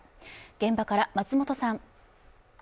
現場から松本さん。